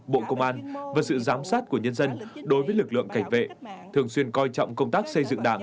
bộ công an và sự giám sát của nhân dân đối với lực lượng cảnh vệ thường xuyên coi trọng công tác xây dựng đảng